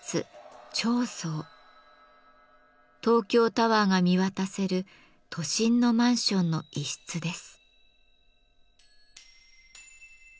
東京タワーが見渡せる都心のマンションの一室です。